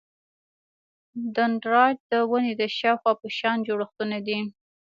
دندرایت د ونې د شاخونو په شان جوړښتونه دي.